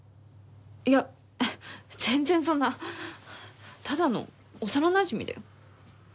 いや全然そんなただの幼なじみだよ。